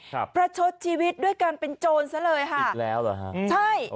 ประชดชีวิตด้วยการเป็นโจรซะเลยค่ะอีกแล้วเหรอฮะใช่